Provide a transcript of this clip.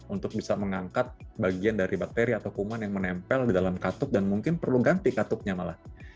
untuk bisa mengangkat bagian dari bakteri atau kuman yang menempel di dalam katuk dan mungkin perlu ganti katupnya malah